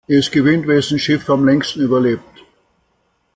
Es gewinnt, wessen Schiff am längsten überlebt.